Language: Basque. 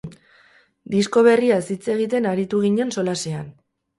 Disko berriaz hitz egiten aritu ginen solasean.